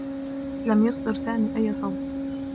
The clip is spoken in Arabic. لم يصدر سامي أيّ صوت.